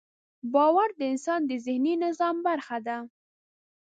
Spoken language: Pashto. باور د انسان د ذهني نظام برخه ده.